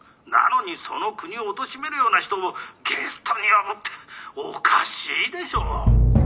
なのにその国をおとしめるような人をゲストに呼ぶっておかしいでしょ！」。